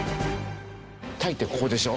タイってここでしょ？